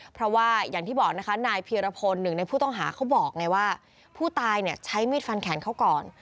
เพราะว่าในพี่ระพลหนึ่งในผู้ต้องหาเขาบอกไงว่าผู้ตายเนี่ยใช้มีดฟันแขนเขาก่อน